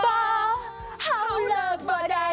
บ่เขาเลิกมาได้